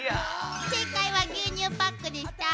正解は牛乳パックでした。